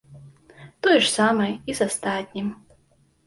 Тое ж самае і з астатнім.